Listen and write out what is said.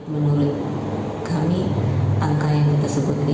menurut kami angka yang tersebut ini